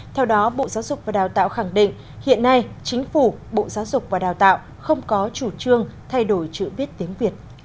theo đó bộ giáo dục và đào tạo khẳng định hiện nay chính phủ bộ giáo dục và đào tạo không có chủ trương thay đổi chữ viết tiếng việt